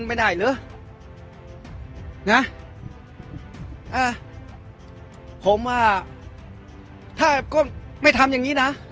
ไม่ได้เหรอนะผมอ่ะถ้าก็ไม่ทำอย่างงี้นะ